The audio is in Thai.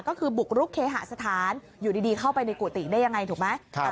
ก็คือบุกรุกเคหสถานอยู่ดีเข้าไปในกุฏิได้ยังไงถูกไหม